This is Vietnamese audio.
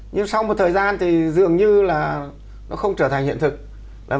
nhưng sau một thời gian thì dường như là nó không trở thành hiện thực